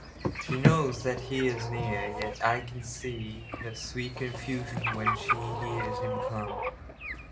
She knows that he is near, yet I can seeHer sweet confusion when she hears him come.